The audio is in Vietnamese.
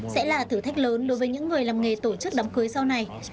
sẽ là thử thách lớn đối với những người làm nghề tổ chức đám cưới sau này